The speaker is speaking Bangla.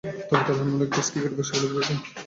তবে, তুলনামূলকভাবে টেস্ট ক্রিকেটে বেশ সফলতা পেয়েছিলেন।